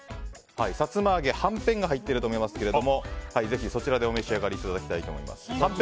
さつま揚げ、はんぺんが入っていると思いますけどぜひ、そちらでお召し上がりいただきたいと思います。